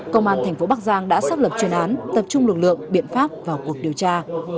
công an thành phố bắc giang đã xác lập chuyên án tập trung lực lượng biện pháp vào cuộc điều tra